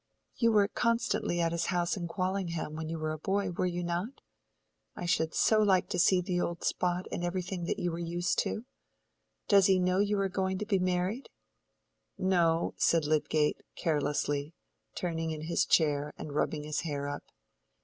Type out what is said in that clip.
"You were constantly at his house at Quallingham, when you were a boy, were you not? I should so like to see the old spot and everything you were used to. Does he know you are going to be married?" "No," said Lydgate, carelessly, turning in his chair and rubbing his hair up.